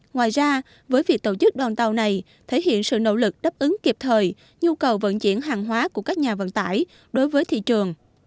ngoài ra với việc tổ chức đoàn tàu này thể hiện sự nỗ lực đáp ứng kịp thời nhu cầu vận chuyển hàng hóa của các nhà vận tải đối với thị trường